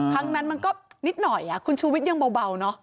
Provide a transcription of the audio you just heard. ครั้งนั้นมันก็นิดหน่อยคุณชูวิทย์ยังเบาเนอะ